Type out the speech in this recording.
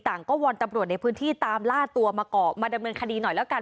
ต่างก็วอนตำรวจในพื้นที่ตามล่าตัวมาเกาะมาดำเนินคดีหน่อยแล้วกัน